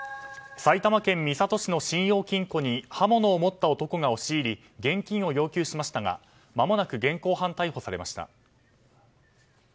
埼玉県三郷市の信用金庫に刃物を持った男が押し入り現金を要求しましたがまもなく現行犯逮捕されました。